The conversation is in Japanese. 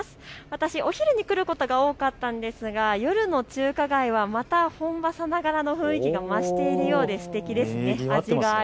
私、お昼に来ることが多かったんですが夜の中華街はまた本場さながらの雰囲気が増しているようですてきですね。